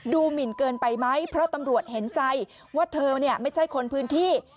หมินเกินไปไหมเพราะตำรวจเห็นใจว่าเธอไม่ใช่คนพื้นที่